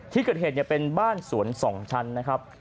ที่เกิดเหตุเป็นบ้านสวน๒ชั้นนะครับ